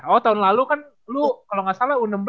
oh tahun lalu kan lu kalau nggak salah u enam belas